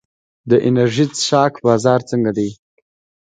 د انرژي څښاک بازار څنګه دی؟